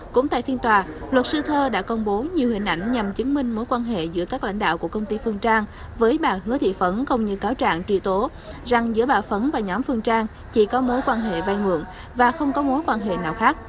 cũng tại phiên tòa luật sư thơ đã công bố nhiều hình ảnh nhằm chứng minh mối quan hệ giữa các lãnh đạo của công ty phương trang với bà hứa thị phấn không như cáo trạng truy tố rằng giữa bà phấn và nhóm phương trang chỉ có mối quan hệ vai mượn và không có mối quan hệ nào khác